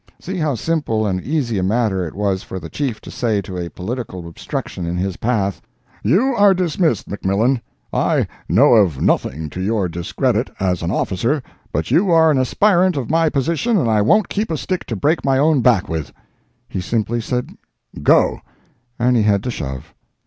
See how simple and easy a matter it was for the chief to say to a political obstruction in his path: "You are dismissed, McMillan; I know of nothing to your discredit as an officer, but you are an aspirant to my position and I won't keep a stick to break my own back with." He simply said "Go," and he had to shove!